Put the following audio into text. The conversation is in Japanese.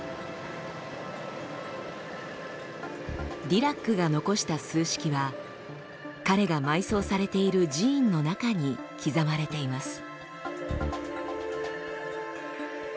ディラックが残した数式は彼が埋葬されている寺院の中に刻まれています。